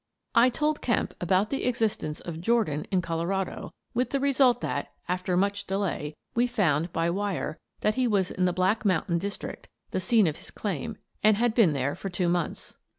I told Kemp about the existence of Jordan in Col orado with the result that, after much delay, we found, by wire, that he was in the Black Mountain District, the scene of his claim, and had been there for two months.